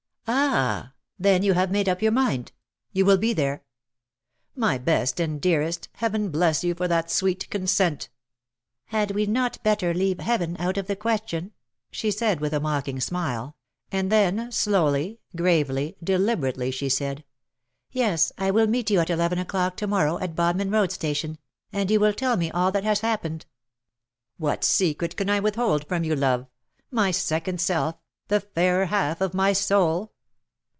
Ah, then you have made up your mind — you will be there. My best and dearest. Heaven bless you for that sweet consent." " Had we not better leave Heaven out of the question ?" she said with a mocking smile ; and then 250 ''^LOVE BORE SUCH BITTER slowly, gravely, deliberately, she said, ^' Yes, I will meet you at eleven o^ clock to morrow, at Bodmin Road Station — and you will tell me all that has happened/^ " What secret can I withhold from you, love —• my second self — the fairer half of my soul